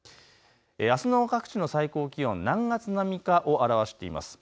あすの各地の最高気温何月並みかを表しています。